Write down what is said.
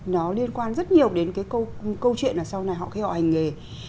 nó liên quan rất nhiều đến cái câu chuyện là sau này họ khi họ hành nghề